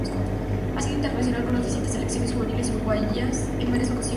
Ha sido internacional con las distintas selecciones juveniles uruguayas en varias ocasiones.